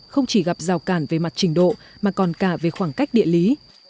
không chỉ gặp rào cản về mặt trình độ mà còn cả về khoảng cách địa lý